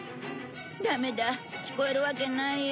ダメだ聞こえるわけないよ。